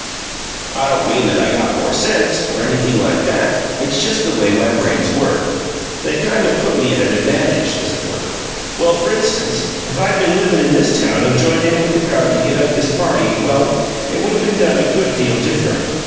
I don't mean that I got more sense, or anything like that; it's just the way my brains work; they kind of put me at an advantage, as it were. Well, f'rinstance, if I'd been livin' here in this town and joined in with the crowd to get up this party, well, it would of been done a good deal diff'rent.